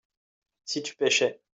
si tu pêchais.